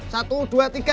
satu dua tiga